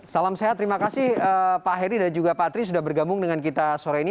salam sehat terima kasih pak heri dan juga pak tri sudah bergabung dengan kita sore ini